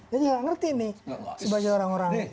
jadi tidak mengerti nih sebagian orang orang